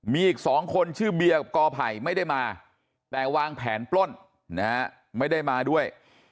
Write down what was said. มีอีก๒คนชื่อเบียร์กับกอไผ่ไม่ได้มาแต่วางแผนปล้นนะฮะไม่ได้มาด้วย